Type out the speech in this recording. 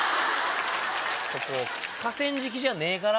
ここ河川敷じゃねえから。